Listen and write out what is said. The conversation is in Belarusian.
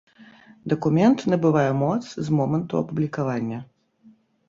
Дакумент набывае моц з моманту апублікавання.